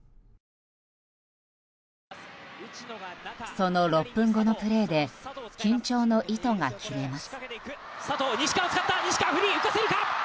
その６分後のプレーで緊張の糸が切れます。